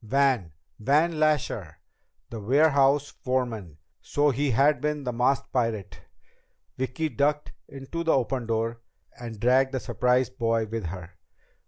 Van! Van Lasher! The warehouse foreman! So he had been the masked pirate! Vicki ducked into the open door, and dragged the surprised boy with her.